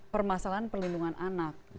permasalahan perlindungan anak